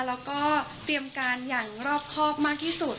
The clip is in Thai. แล้วก็เตรียมการอย่างรอบครอบมากที่สุด